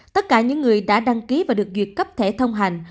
tất cả những người đã đăng ký và được duyệt cấp thẻ thông hành